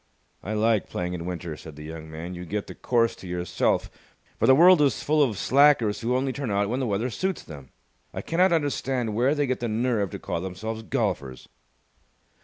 "I like playing in winter," said the young man. "You get the course to yourself, for the world is full of slackers who only turn out when the weather suits them. I cannot understand where they get the nerve to call themselves golfers."